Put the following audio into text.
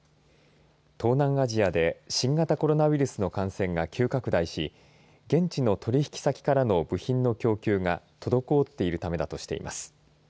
東南アジアで新型コロナウイルスの感染が急拡大し現地の取引先からの部品の供給が滞っているためだとしています。